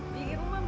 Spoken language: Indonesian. bilik rumah mbak